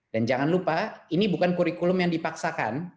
dan jangan lupa ini bukan kurikulum yang dipaksakan